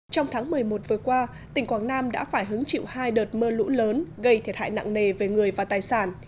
trong tháng một mươi một vừa qua tỉnh quảng nam đã phải hứng chịu hai đợt mưa lũ lớn gây thiệt hại nặng nề về người và tài sản